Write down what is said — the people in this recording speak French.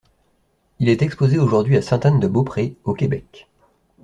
Il est exposé aujourd'hui à Sainte-Anne-de-Beaupré, au Québec.